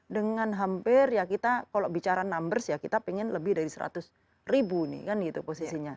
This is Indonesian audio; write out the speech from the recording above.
dengan hampir ya kita kalau bicara numbers ya kita pengen lebih dari seratus ribu nih kan gitu posisinya